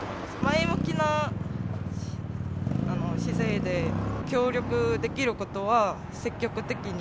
前向きな姿勢で、協力できることは積極的に。